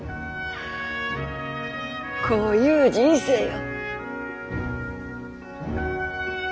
こういう人生よ。